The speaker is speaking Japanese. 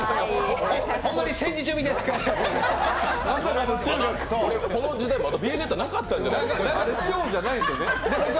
ほんまに戦時中みたいな写真この時代、まだビエネッタなかったんじゃないですか？